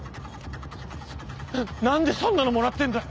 何でそんなのもらってんだよ！